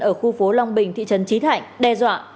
ở khu phố long bình thị trấn trí thạnh đe dọa